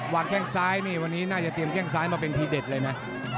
แข้งซ้ายนี่วันนี้น่าจะเตรียมแข้งซ้ายมาเป็นทีเด็ดเลยนะ